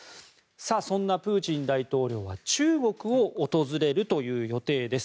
そんなプーチン大統領は中国を訪れる予定です。